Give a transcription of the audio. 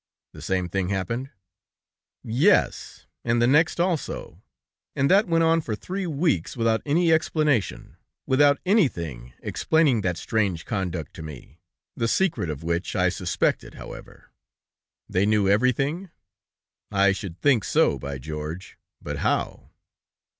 "The same thing happened?" "Yes, and the next also. And that went on for three weeks without any explanation, without anything explaining that strange conduct to me, the secret of which I suspected, however." "They knew everything?" "I should think so, by George. But how?